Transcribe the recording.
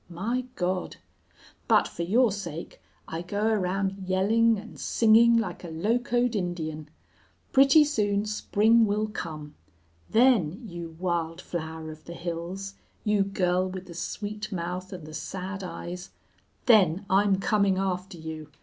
My God! But for your sake I go around yelling and singing like a locoed Indian. Pretty soon spring will come. Then, you wild flower of the hills, you girl with the sweet mouth and the sad eyes then I'm coming after you!